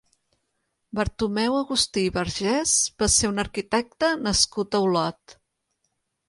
Bartomeu Agustí i Vergés va ser un arquitecte nascut a Olot.